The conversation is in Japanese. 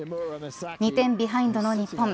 ２点ビハインドの日本。